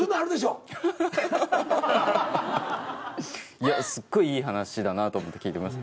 いやすっごいいい話だなと思って聞いてました。